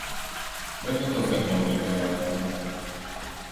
Bet nu tas gan vēl bija tajā laikā.